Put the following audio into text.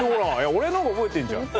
俺の方が覚えてるじゃん。